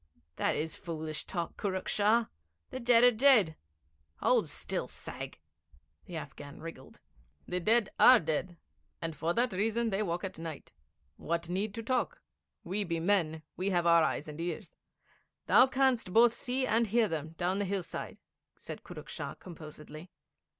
'That is foolish talk, Kurruk Shah. The dead are dead. Hold still, sag.' The Afghan wriggled. 'The dead are dead, and for that reason they walk at night. What need to talk? We be men; we have our eyes and ears. Thou canst both see and hear them, down the hillside,' said Kurruk Shah composedly.